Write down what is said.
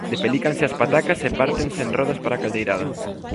Depelícanse as patacas e pártense en rodas para caldeirada.